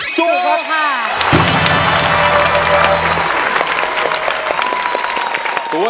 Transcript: สวัสดีครับ